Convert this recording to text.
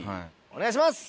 お願いします！